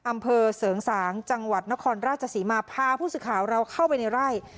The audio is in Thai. อำเภอเสริงสางจังหวัดนครราชศรีมาพาผู้สื่อข่าวเราเข้าไปในไร่